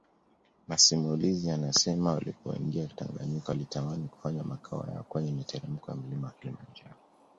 Masimulizi yanasema walipoingia Tanganyika walitamani kufanya makao yao kwenye miteremko ya Mlima Kilimanjaro